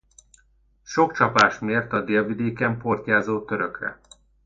Sok csapást mért a délvidéken portyázó törökre.